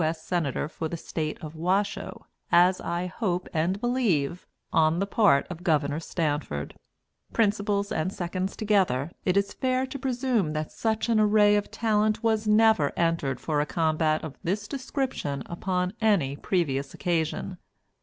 S. Senator for the state of Washoe, as I hope and believe on the part of Gov. Stanford. Principals and seconds together, it is fair to presume that such an array of talent was never entered for a combat of this description upon any previous occasion.